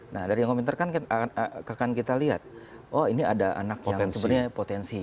nah dari yang komentar kan akan kita lihat oh ini ada anak yang sebenarnya potensi